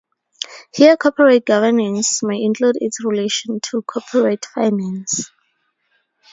Here corporate governance may include its relation to corporate finance.